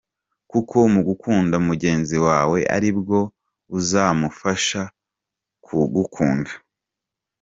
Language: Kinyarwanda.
Kuko mu gukunda mugenzi wawe ari bwo uzamufasha kugukunda.